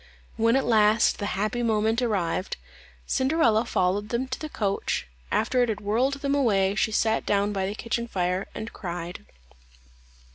When at last the happy moment arrived, Cinderella followed them to the coach; after it had whirled them away, she sat down by the kitchen fire and cried.